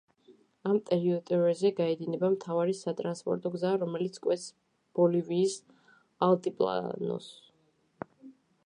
ამ ტერიტორიაზე გაედინება მთავარი სატრანსპორტო გზა, რომელიც კვეთს ბოლივიის ალტიპლანოს.